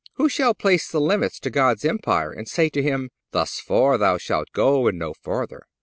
Who shall place the limits to God's empire and say to Him: "Thus far Thou shalt go and no farther?"